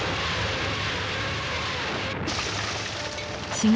４月。